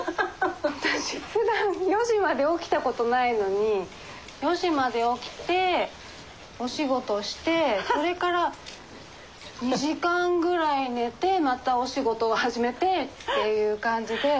私ふだん４時まで起きた事ないのに４時まで起きてお仕事してそれから２時間ぐらい寝てまたお仕事を始めてっていう感じで。